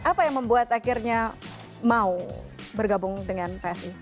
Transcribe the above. apa yang membuat akhirnya mau bergabung dengan psi